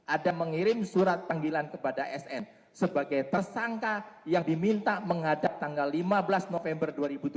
ada mengirim surat panggilan kepada sn sebagai tersangka yang diminta menghadap tanggal lima belas november dua ribu tujuh belas